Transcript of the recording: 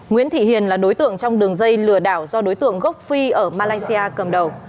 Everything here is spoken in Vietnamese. nguyễn thị hiền là đối tượng trong đường dây lừa đảo do đối tượng gốc phi ở malaysia cầm đầu